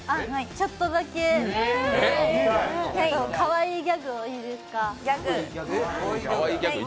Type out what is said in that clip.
ちょっとだけかわいいギャグをいいですか。